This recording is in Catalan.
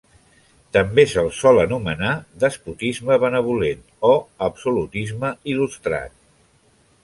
També se'l sol anomenar despotisme benvolent o absolutisme il·lustrat.